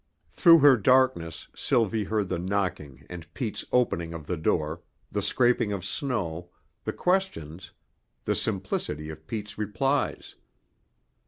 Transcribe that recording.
Through her darkness Sylvie heard the knocking and Pete's opening of the door, the scraping of snow, the questions, the simplicity of Pete's replies.